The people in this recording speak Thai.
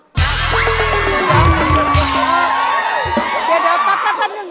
เดี๋ยวปั๊บนึง